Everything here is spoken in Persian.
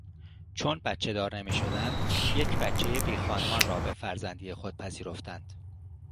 چون بچهدار نمیشدند یک بچه بیخانمان را به فرزندی خود پذیرفتند.